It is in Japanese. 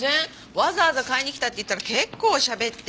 わざわざ買いに来たって言ったら結構しゃべって。